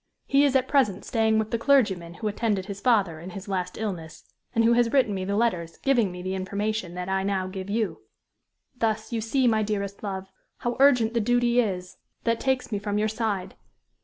He is at present staying with the clergyman who attended his father in his last illness, and who has written me the letters giving me the information that I now give you. Thus, you see, my dearest love, how urgent the duty is that takes me from your side.